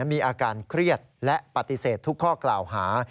มีอาการเครียดและปฏิเสธทุกข้อกล่าวหา